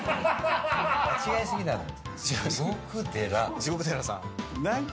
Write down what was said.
間違いすぎなのよ。